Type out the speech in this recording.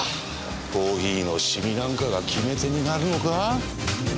コーヒーのシミなんかが決め手になるのか？